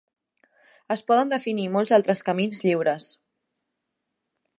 Es poden definir molts altres camins lliures.